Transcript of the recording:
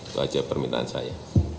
itu saja permintaan saya